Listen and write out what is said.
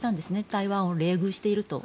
台湾を冷遇していると。